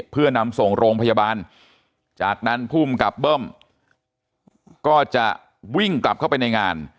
เพื่อนำส่งโรงพยาบาลจากนั้นภูมิกับเบิ้มก็จะวิ่งกลับเข้าไปในงาน